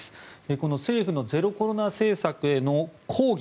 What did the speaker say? この政府のゼロコロナ政策への抗議